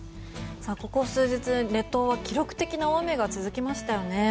ここ数日、列島は記録的大雨が続きましたよね。